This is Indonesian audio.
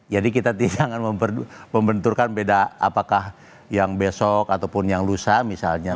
jadi kita tidak akan membenturkan beda apakah yang besok ataupun yang lusa misalnya